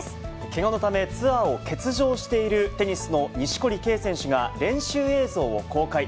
けがのためツアーを欠場しているテニスの錦織圭選手が、練習映像を公開。